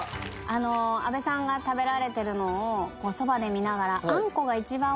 阿部さんが食べられてるのをそばで見ながら。